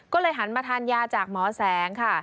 ก็เลยหันมาทานยาจากหมอแสงค่ะ